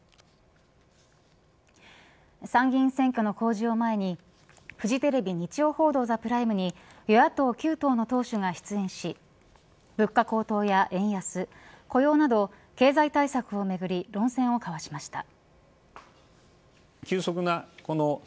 参議院選挙の公示を前にフジテレビ日曜報道ＴＨＥＰＲＩＭＥに与野党９党の党首が出演し物価高騰や円安雇用など経済対策をめぐり論戦を交わしました。